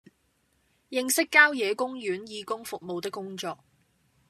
認識郊野公園義工服務的工作